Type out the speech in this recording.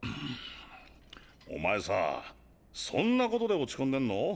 お前さぁそんなことで落ち込んでんの？